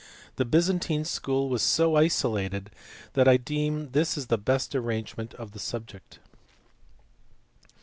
The Byzantine school was so isolated that I deem this the best arrangement of the subject.